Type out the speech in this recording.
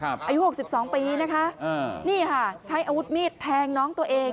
อายุ๖๒ปีนะคะนี่ค่ะใช้อาวุธมีดแทงน้องตัวเอง